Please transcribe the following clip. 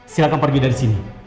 silahkan pergi dari sini